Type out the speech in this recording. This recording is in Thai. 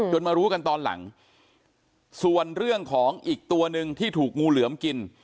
มารู้กันตอนหลังส่วนเรื่องของอีกตัวหนึ่งที่ถูกงูเหลือมกิน